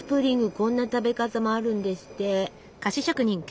こんな食べ方もあるんですって。